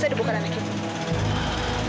saya udah buka anak ibu